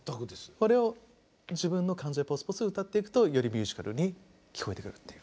それを自分の感情でポツポツ歌っていくとよりミュージカルに聞こえてくるという。